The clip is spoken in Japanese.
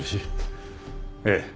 ええ。